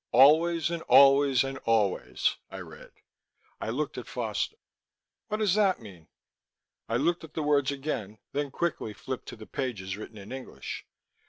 "Always and always and always," I read. I looked at Foster. "What does that mean?" I looked at the words again, then quickly flipped to the pages written in English.